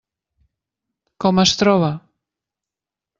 Com es troba?